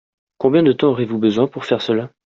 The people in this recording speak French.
Combien de temps aurez-vous besoin pour faire cela ?